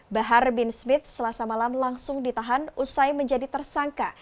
bahar bin smith selasa malam langsung ditahan usai menjadi tersangka